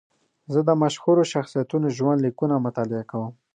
زه د مشهورو شخصیتونو ژوند لیکونه مطالعه کوم.